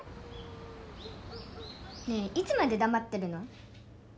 ねえいつまでだまってるの？